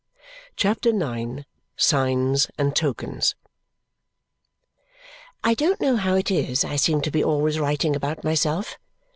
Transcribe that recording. CHAPTER IX Signs and Tokens I don't know how it is I seem to be always writing about myself.